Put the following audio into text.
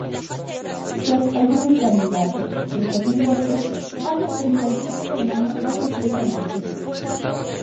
Los países escandinavos, ricos en bosques, han mantenido el vínculo humano más estrechamente.